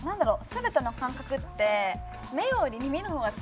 全ての感覚ってあ。